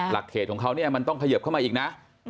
หลักเขตของเขาเนี่ยมันต้องเขยิบเข้ามาอีกนะ